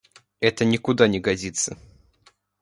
Это никуда не годится.